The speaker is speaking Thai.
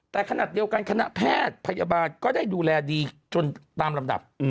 แต่ขณะเดียวกันคณะแพทย์พยาบาลก็ได้ดูแลดีจนตามลำดับ